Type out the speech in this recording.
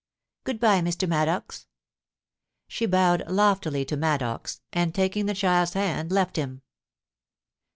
Good bye, Mr. Maddox.' She bowed loftily to Maddox, and taking the child's hand, left him.